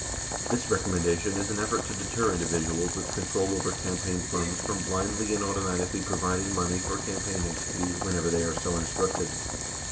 This recommendation is an effort to deter individuals with control over campaign funds from blindly and automatically providing money for campaign activities whenever they are so instructed.